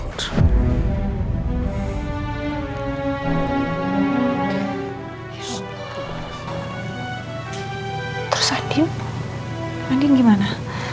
lagi lagi terus andin terus andin gimana